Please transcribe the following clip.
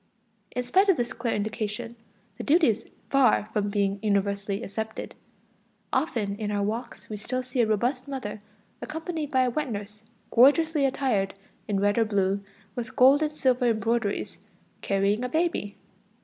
In spite of this clear indication, the duty is far from being universally accepted. Often in our walks we still see a robust mother accompanied by a wet nurse gorgeously attired in red or blue, with gold and silver embroideries, carrying a baby.